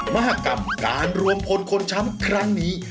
มหากรรมการรวมพลคนช้ำครั้งนี้